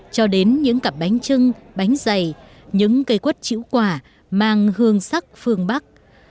cho đến những cặp bánh trưng bánh dày những cây quất chữ quả mang hương sắc phương bắc